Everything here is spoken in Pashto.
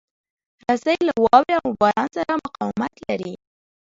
رسۍ له واوره او باران سره مقاومت لري.